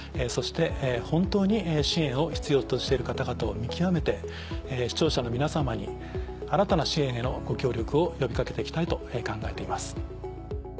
そして本当に支援を必要としてる方々を見極めて視聴者の皆様に新たな支援へのご協力を呼び掛けて行きたいと考えています。